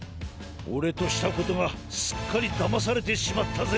オレとしたことがすっかりだまされてしまったぜ。